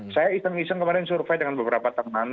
saya iseng iseng kemarin survei dengan beberapa teman